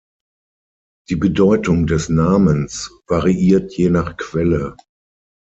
Die Bedeutung des Namens variiert je nach Quelle.